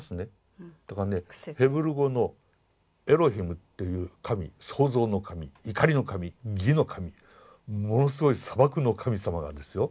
だからねヘブル語のエロヒムという神創造の神怒りの神義の神ものすごい砂漠の神様なんですよ。